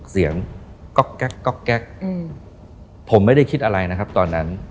เสียงก๊อกแก๊กก๊อกแก๊กผมไม่ได้คิดอะไรนะครับตอนนั้น